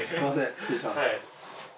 失礼します。